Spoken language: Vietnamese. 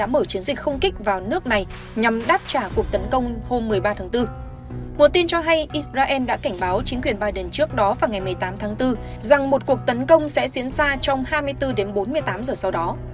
một tin cho hay israel đã cảnh báo chính quyền biden trước đó vào ngày một mươi tám tháng bốn rằng một cuộc tấn công sẽ diễn ra trong hai mươi bốn đến bốn mươi tám giờ sau đó